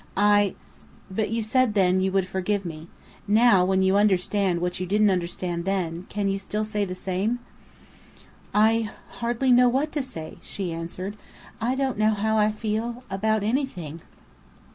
I but you said then, you would forgive me. Now, when you understand what you didn't understand then, can you still say the same?" "I hardly know what to say," she answered. "I don't know how I feel about anything."